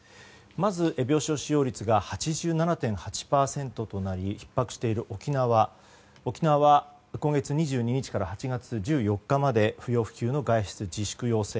まず、病床使用率が８７．８％となりひっ迫している沖縄は今月２２日から８月１４日まで不要不急の外出自粛要請。